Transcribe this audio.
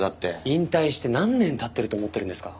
引退して何年経ってると思ってるんですか。